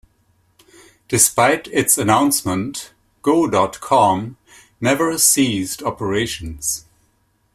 Despite its announcement, go dot com never ceased operations.